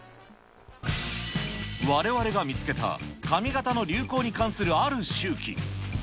われわれが見つけた髪形の流行に関するある周期。